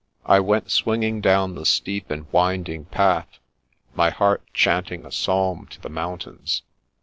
I went swinging down the steep and winding path, my heart chanting a psalm to the mountains.